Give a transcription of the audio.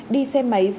đi xe máy